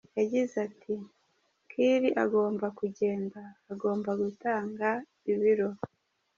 Yagize ati "Kiir agomba kugenda, agomba gutanga ibiro.